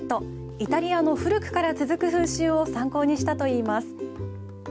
イタリアの古くから続く風習を参考にしたと言います。